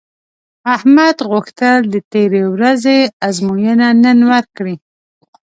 احمد غوښتل د تېرې ورځې ازموینه نن ورکړي